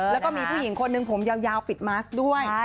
แล้วก็มีผู้หญิงคนหนึ่งผมยาวปิดมัสด้วย